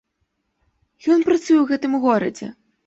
Ён працуе ў гэтым горадзе.